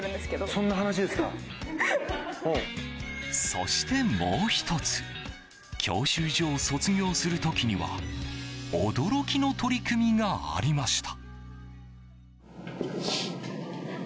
そして、もう１つ教習所を卒業する時には驚きの取り組みがありました。